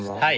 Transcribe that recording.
はい！